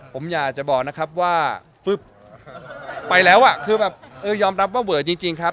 ผมอยากจะบอกนะครับว่าไปแล้วอ่ะคือแบบเออยอมรับว่าเวอจริงครับ